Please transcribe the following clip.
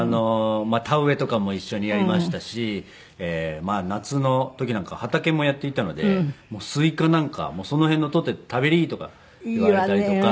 田植えとかも一緒にやりましたしまあ夏の時なんかは畑もやっていたのでスイカなんか「その辺の採って食べり」とか言われたりとか。